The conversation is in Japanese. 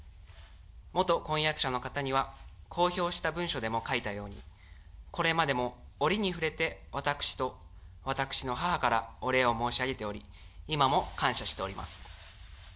元婚約者の方には、公表した文書でも書いたように、これまでも折に触れて私と私の母からお礼を申し上げており、今も感謝しております。